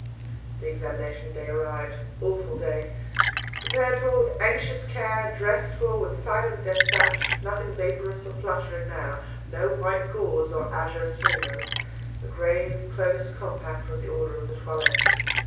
The examination day arrived. Awful day! Prepared for with anxious care, dressed for with silent despatch—nothing vaporous or fluttering now—no white gauze or azure streamers; the grave, close, compact was the order of the toilette.